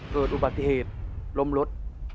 เกิดอุบัติเหตุล้มรถ